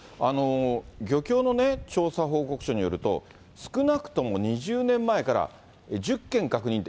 漁協の調査報告書によると、少なくとも２０年前から１０件確認って。